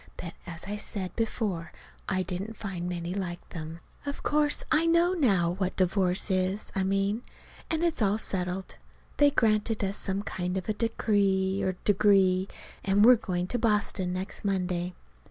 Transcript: But, as I said before, I didn't find many like them. Of course I know now what divorce is, I mean. And it's all settled. They granted us some kind of a decree or degree, and we're going to Boston next Monday.